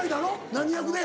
何役で？